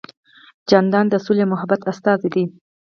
جانداد د سولې او محبت استازی دی.